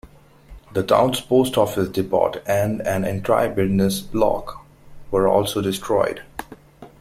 The town's post office, depot, and an entire business block were also destroyed.